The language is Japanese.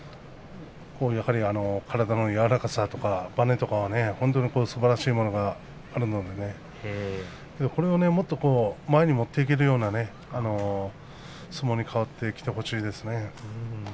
こういう体の柔らかさとか、バネとか本当にすばらしいものがあるのでこれがもっと前に持っていけるような相撲に変わってきてほしいですね。